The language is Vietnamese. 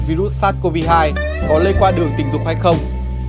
virus sars cov hai có lây qua đường tình dục hay không